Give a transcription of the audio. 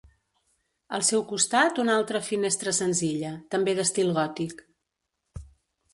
Al seu costat una altra finestra senzilla, també d'estil gòtic.